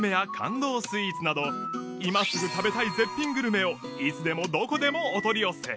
スイーツなど今すぐ食べたい絶品グルメをいつでもどこでもお取り寄せ